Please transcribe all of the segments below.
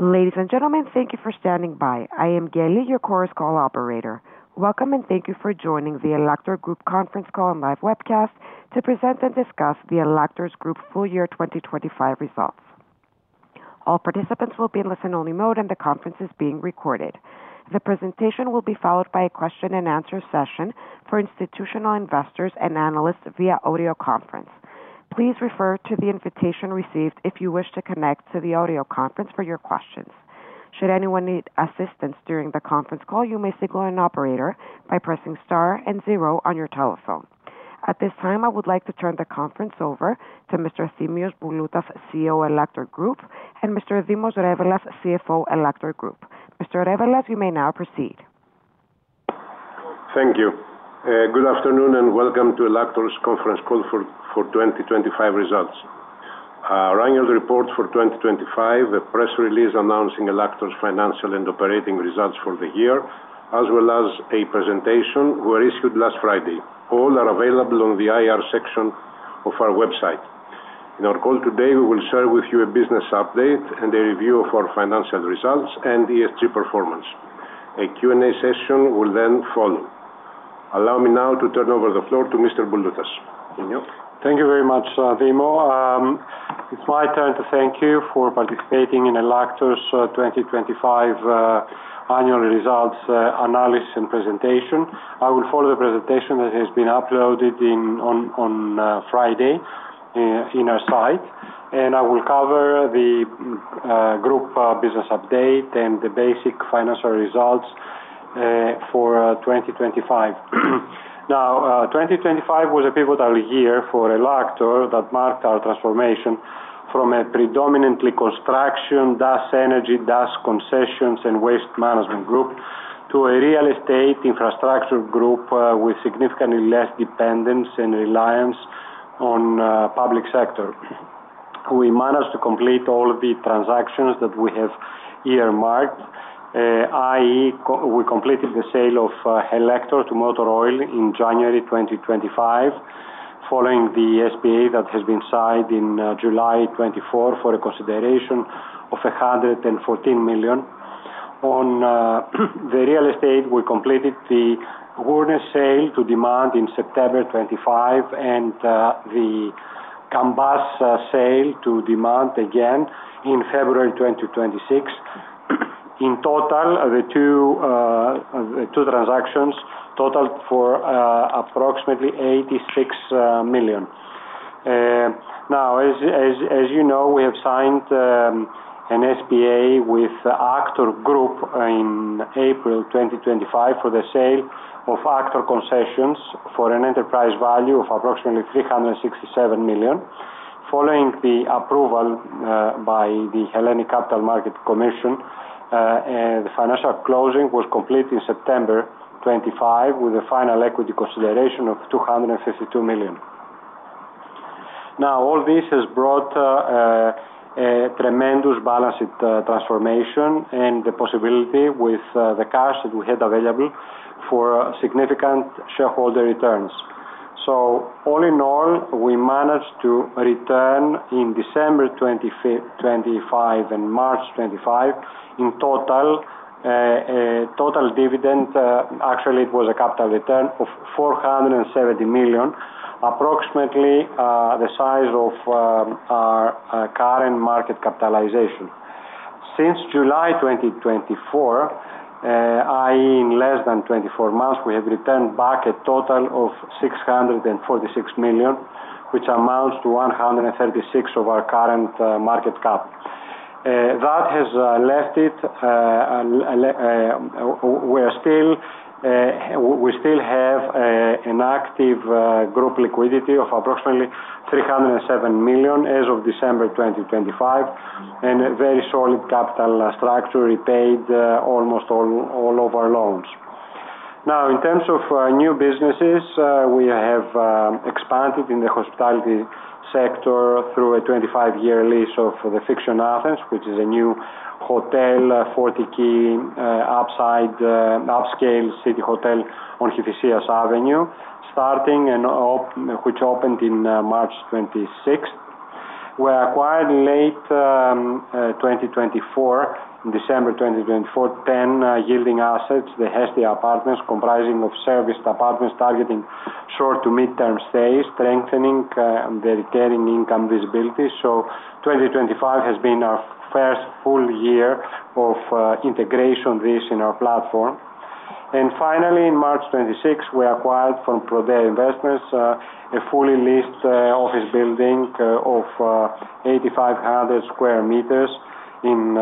Ladies and gentlemen, thank you for standing by. I am Geli, your Chorus Call operator. Welcome, and thank you for joining the Ellaktor Group conference call and live webcast to present and discuss the Ellaktor Group full year 2025 results. All participants will be in listen only mode, and the conference is being recorded. The presentation will be followed by a question and answer session for institutional investors and analysts via audio conference. Please refer to the invitation received if you wish to connect to the audio conference for your questions. Should anyone need assistance during the conference call, you may signal an operator by pressing star and zero on your telephone. At this time, I would like to turn the conference over to Mr. Efthymios Bouloutas, CEO, Ellaktor Group, and Mr. Dimos Revelas, CFO, Ellaktor Group. Mr. Revelas, you may now proceed. Thank you. Good afternoon, and welcome to Ellaktor's conference call for 2025 results. Our annual report for 2025, the press release announcing Ellaktor's financial and operating results for the year, as well as a presentation, were issued last Friday. All are available on the IR section of our website. In our call today, we will share with you a business update and a review of our financial results and ESG performance. A Q&A session will then follow. Allow me now to turn over the floor to Mr. Bouloutas. Efthymios. Thank you very much, Dimos. It's my turn to thank you for participating in Ellaktor's 2025 annual results analysis and presentation. I will follow the presentation that has been uploaded on Friday in our site, and I will cover the group business update and the basic financial results for 2025. Now, 2025 was a pivotal year for Ellaktor that marked our transformation from a predominantly construction, energy, concessions, and waste management group, to a real estate infrastructure group with significantly less dependence and reliance on public sector. We managed to complete all the transactions that we have earmarked, i.e., we completed the sale of HELECTOR to Motor Oil in January 2025, following the SPA that has been signed in July 2024 for a consideration of 114 million. On the real estate, we completed the Gournes sale to DIMAND in September 2025, and the Cambas sale to DIMAND, again, in February 2026. In total, the two transactions totaled for approximately 86 million. Now, as you know, we have signed an SPA with Aktor Group in April 2025 for the sale of Aktor Concessions for an enterprise value of approximately 367 million. Following the approval by the Hellenic Capital Market Commission, the financial closing was complete in September 2025, with a final equity consideration of 252 million. Now, all this has brought a tremendous balance sheet transformation and the possibility with the cash that we had available for significant shareholder returns. All in all, we managed to return in December 2025 and March 2025, in total dividend, actually, it was a capital return of 470 million, approximately the size of our current market capitalization. Since July 2024, i.e., in less than 24 months, we have returned back a total of 646 million, which amounts to 136% of our current market cap. We still have an active group liquidity of approximately 307 million as of December 2025, and a very solid capital structure, repaid almost all of our loans. Now, in terms of new businesses, we have expanded in the hospitality sector through a 25-year lease of The Fiction Athens, which is a new hotel, a 40-key upscale city hotel on Kifissias Avenue, which opened in March 2026. We acquired late 2024, in December 2024, 10 yielding assets, Hestia Luxury Apartments, comprising of serviced apartments targeting short to midterm stays, strengthening the recurring income visibility. 2025 has been our first full year of integrating this in our platform. Finally, in March 2026, we acquired from PRODEA Investments a fully leased office building of 8,500 sq m in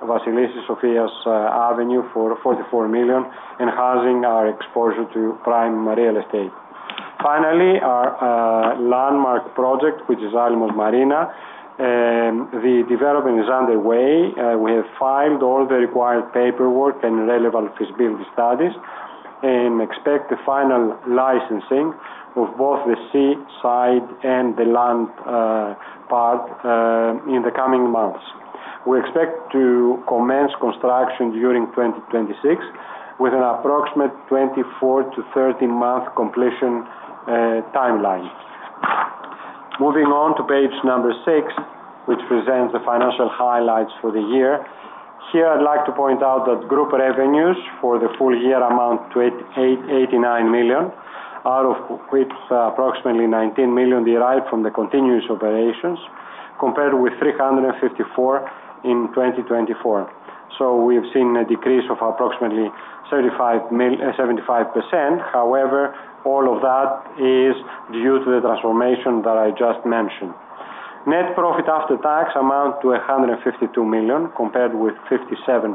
Vasilissis Sofias Avenue for 44 million, enhancing our exposure to prime real estate. Finally, our landmark project, which is Alimos Marina, the development is underway. We have filed all the required paperwork and relevant feasibility studies, and expect the final licensing of both the sea side and the land part in the coming months. We expect to commence construction during 2026, with an approximate 24-30-month completion timeline. Moving on to page 6, which presents the financial highlights for the year. Here, I'd like to point out that Group revenues for the full year amount to 889 million, out of which approximately 19 million derived from the continuous operations, compared with 354 million in 2024. We have seen a decrease of approximately 75%. However, all of that is due to the transformation that I just mentioned. Net profit after tax amount to 152 million, compared with 57.4 million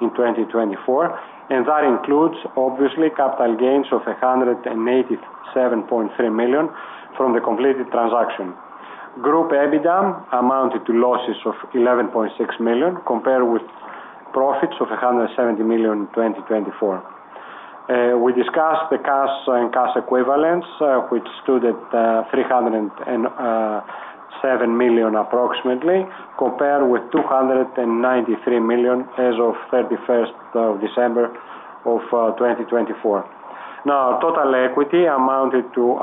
in 2024, and that includes, obviously, capital gains of 187.3 million from the completed transaction. Group EBITDA amounted to losses of 11.6 million, compared with profits of 170 million in 2024. We discussed the cash and cash equivalents, which stood at 307 million approximately, compared with 293 million as of 31st of December of 2024. Now, total equity amounted to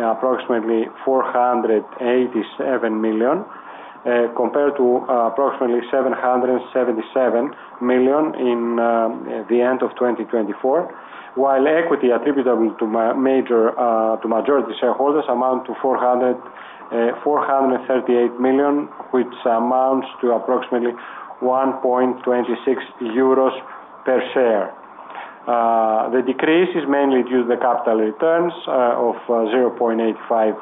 approximately 487 million, compared to approximately 777 million in the end of 2024. While equity attributable to majority shareholders amount to 438 million, which amounts to approximately 1.26 euros per share. The decrease is mainly due to the capital returns of 0.85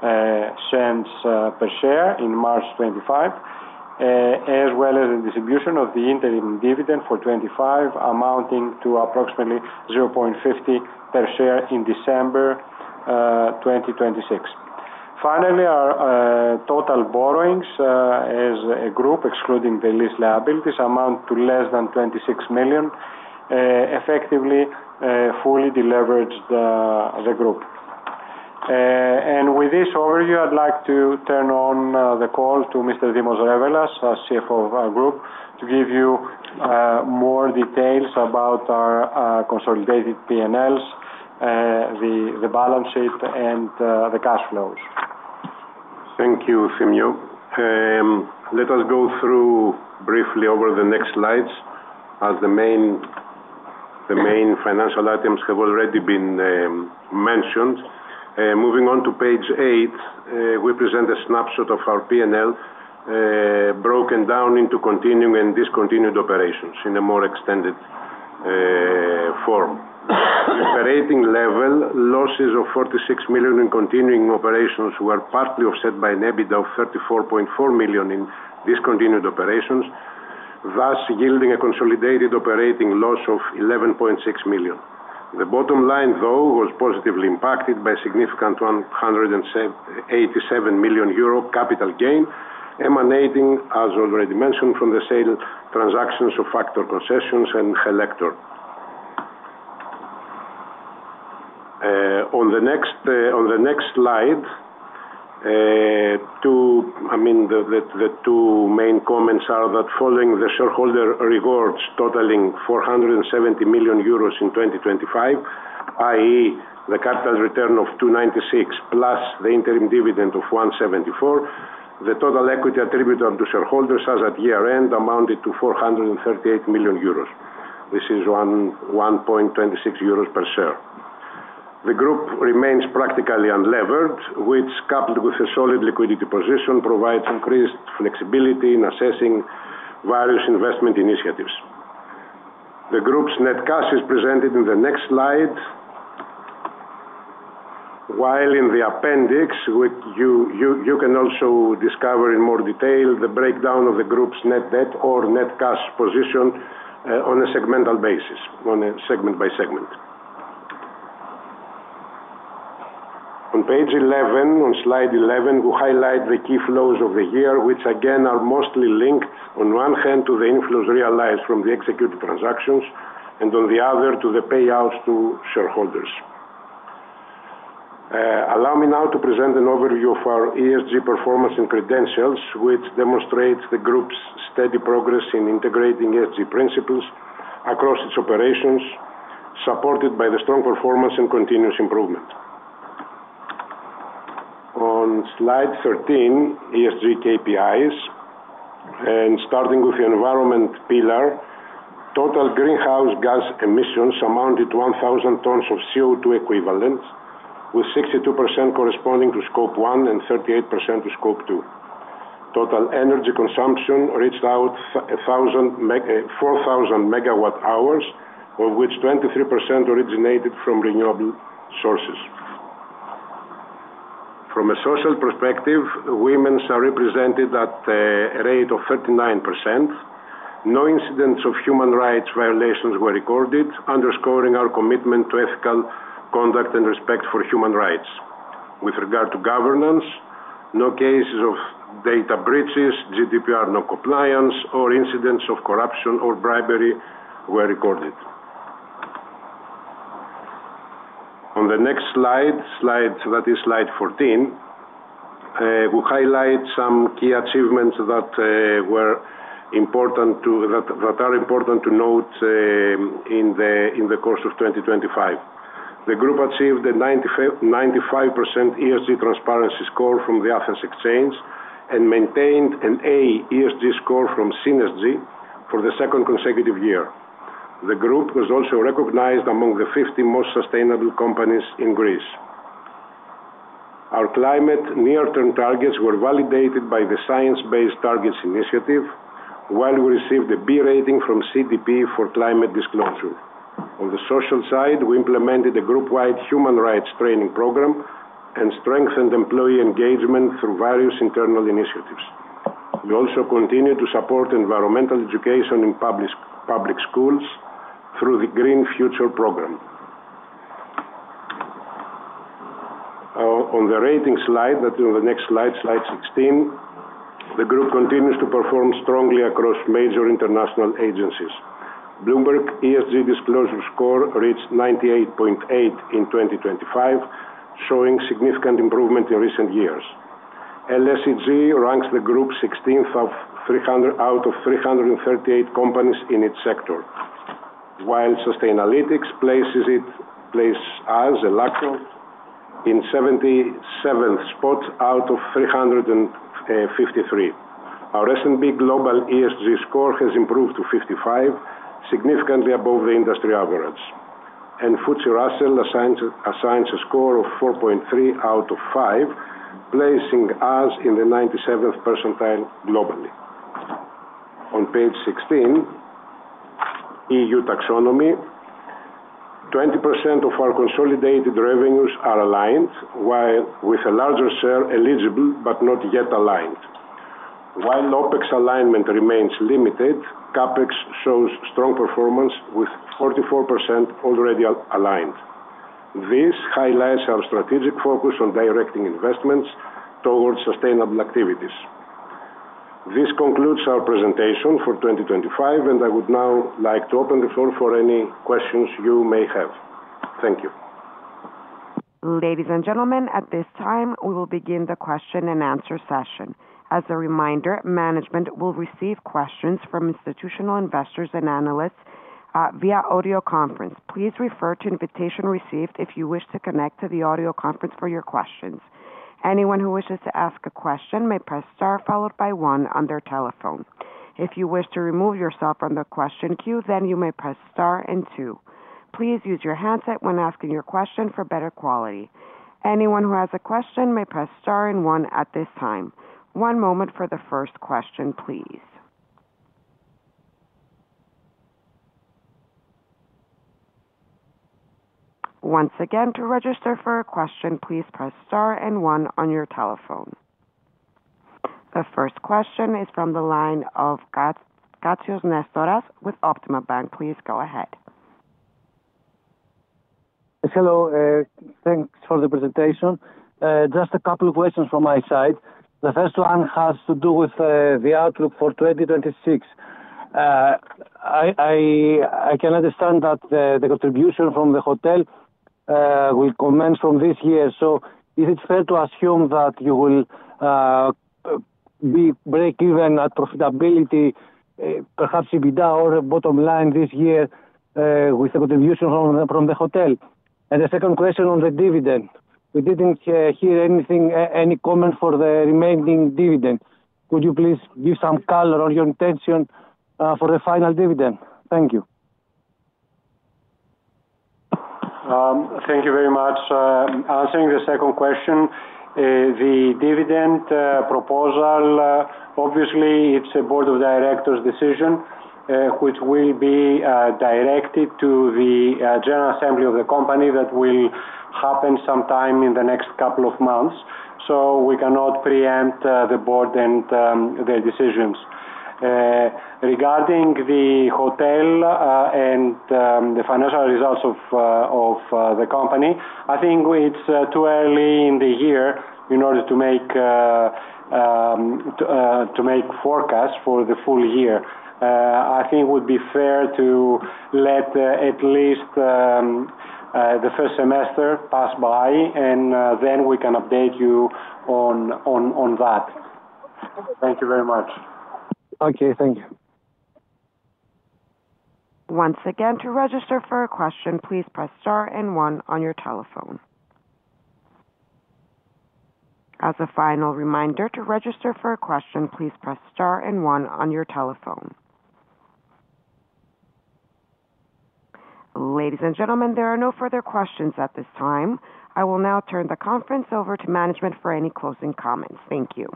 per share in March 2025, as well as the distribution of the interim dividend for 2025, amounting to approximately 0.50 per share in December 2026. Finally, our total borrowings as a group, excluding the lease liabilities, amount to less than 26 million, effectively fully leveraged the group. With this overview, I'd like to turn over the call to Mr. Dimos Revelas, CFO of our group, to give you more details about our consolidated P&Ls, the balance sheet and the cash flows. Thank you, Efthymios. Let us go through briefly over the next slides as the main financial items have already been mentioned. Moving on to page 8, we present a snapshot of our P&L, broken down into continuing and discontinued operations in a more extended form. At the operating level, losses of 46 million in continuing operations were partly offset by an EBITDA of 34.4 million in discontinued operations, thus yielding a consolidated operating loss of 11.6 million. The bottom line, though, was positively impacted by significant 187 million euro capital gain, emanating, as already mentioned, from the sale transactions of Aktor Concessions and HELECTOR. On the next slide, the two main comments are that following the shareholder rewards totaling 470 million euros in 2025, i.e., the capital return of 296 million plus the interim dividend of 174 million, the total equity attributable to shareholders as at year-end amounted to 438 million euros. This is 1.26 euros per share. The group remains practically unlevered, which, coupled with a solid liquidity position, provides increased flexibility in assessing various investment initiatives. The group's net cash is presented in the next slide. While in the appendix, you can also discover in more detail the breakdown of the group's net debt or net cash position on a segmental basis, segment by segment. On page 11, on slide 11, we highlight the key flows of the year, which again, are mostly linked, on one hand, to the inflows realized from the executed transactions, and on the other, to the payouts to shareholders. Allow me now to present an overview of our ESG performance and credentials, which demonstrates the group's steady progress in integrating ESG principles across its operations, supported by the strong performance and continuous improvement. On slide 13, ESG KPIs, starting with the environment pillar, total greenhouse gas emissions amounted to 1,000 tons of CO2 equivalent, with 62% corresponding to Scope 1 and 38% to Scope 2. Total energy consumption reached 4,000 MWh, of which 23% originated from renewable sources. From a social perspective, women are represented at a rate of 39%. No incidents of human rights violations were recorded, underscoring our commitment to ethical conduct and respect for human rights. With regard to governance, no cases of data breaches, GDPR noncompliance, or incidents of corruption or bribery were recorded. On the next slide, that is slide 14, we highlight some key achievements that are important to note in the course of 2025. The group achieved a 95% ESG transparency score from the Athens Stock Exchange and maintained an A ESG score from Synesgy for the second consecutive year. The group was also recognized among the 50 most sustainable companies in Greece. Our climate near-term targets were validated by the Science Based Targets initiative, while we received a B rating from CDP for climate disclosure. On the social side, we implemented a group-wide human rights training program and strengthened employee engagement through various internal initiatives. We also continue to support environmental education in public schools through the Green Future program. On the rating slide that is on the next slide 16, the group continues to perform strongly across major international agencies. Bloomberg ESG disclosure score reached 98.8 in 2025, showing significant improvement in recent years. LSEG ranks the group 16th out of 338 companies in its sector, while Sustainalytics places us, Ellaktor, in 77th spot out of 353. Our S&P Global ESG score has improved to 55, significantly above the industry average, and FTSE Russell assigns a score of 4.3 out of 5, placing us in the 97th percentile globally. On page 16, EU Taxonomy, 20% of our consolidated revenues are aligned with a larger share eligible but not yet aligned. While OpEx alignment remains limited, CapEx shows strong performance with 44% already aligned. This highlights our strategic focus on directing investments towards sustainable activities. This concludes our presentation for 2025, and I would now like to open the floor for any questions you may have. Thank you. Ladies and gentlemen, at this time, we will begin the question and answer session. As a reminder, management will receive questions from institutional investors and analysts via audio conference. Please refer to invitation received if you wish to connect to the audio conference for your questions. Anyone who wishes to ask a question may press star followed by one on their telephone. If you wish to remove yourself from the question queue, then you may press star and two. Please use your handset when asking your question for better quality. Anyone who has a question may press star and one at this time. One moment for the first question, please. Once again, to register for a question, please press star and one on your telephone. The first question is from the line of Nestoras Katsios with Optima Bank. Please go ahead. Hello. Thanks for the presentation. Just a couple of questions from my side. The first one has to do with the outlook for 2026. I can understand that the contribution from the hotel will commence from this year. Is it fair to assume that you will be break even at profitability, perhaps EBITDA or bottom line this year, with the contribution from the hotel? The second question on the dividend. We didn't hear anything, any comment for the remaining dividend. Could you please give some color on your intention for the final dividend? Thank you. Thank you very much. Answering the second question, the dividend proposal, obviously it's a Board of Directors decision, which will be directed to the general assembly of the company. That will happen sometime in the next couple of months. We cannot preempt the board and their decisions. Regarding the hotel, and the financial results of the company, I think it's too early in the year in order to make forecasts for the full year. I think it would be fair to let at least the first semester pass by and then we can update you on that. Thank you very much. Okay. Thank you. Once again, to register for a question, please press star and one on your telephone. As a final reminder, to register for a question, please press star and one on your telephone. Ladies and gentlemen, there are no further questions at this time. I will now turn the conference over to management for any closing comments. Thank you.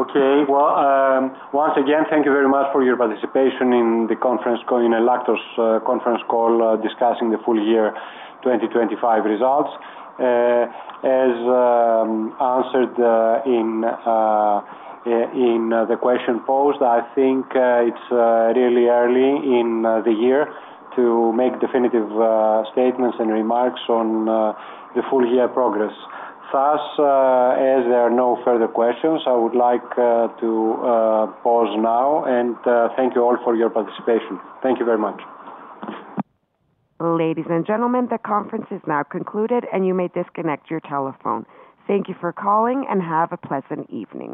Okay. Well, once again, thank you very much for your participation in Ellaktor conference call discussing the full year 2025 results. As answered in the question posed, I think it's really early in the year to make definitive statements and remarks on the full year progress. Thus, as there are no further questions, I would like to pause now and thank you all for your participation. Thank you very much. Ladies and gentlemen, the conference is now concluded and you may disconnect your telephone. Thank you for calling and have a pleasant evening.